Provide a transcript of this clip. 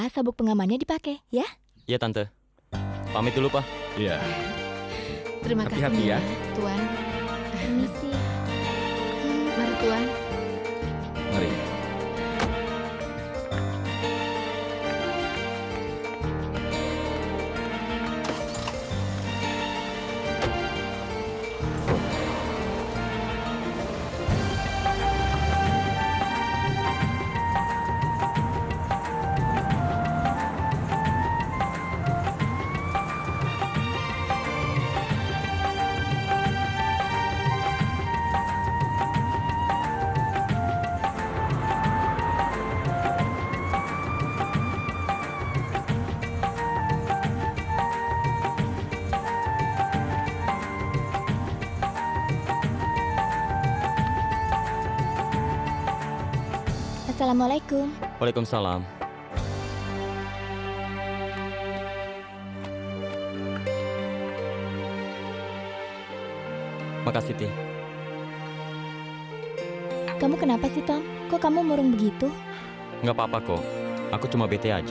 sampai jumpa di video selanjutnya